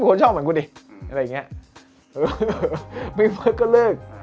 ก็เป็นคนชอบเหมือนกูดิอะไรอย่างเงี้ยไม่เบิกก็เลิก